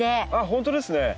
本当ですね。